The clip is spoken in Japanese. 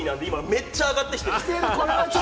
めっちゃ上がってきてる。